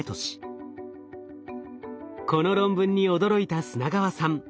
この論文に驚いた砂川さん。